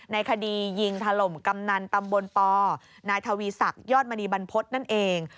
ในคดียิงถล่มกำนันตำบลปนายทวีศักดิ์ยอดมณีบรรพฤษนั่นเอง